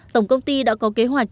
tổng công ty đã có kế hoạch